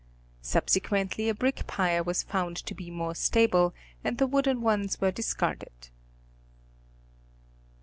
Subsequently a brick pier was found to be more stable and the wooden ones were discarded.